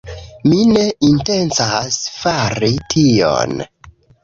Mi ne intencas fari tion!